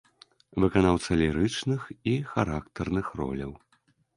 Выканаўца лірычных і характарных роляў.